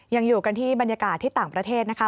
ยังอยู่กันที่บรรยากาศที่ต่างประเทศนะคะ